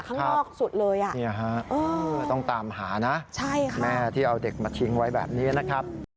ข้างนอกสุดเลยอ่ะต้องตามหานะแม่ที่เอาเด็กมาทิ้งไว้แบบนี้นะครับ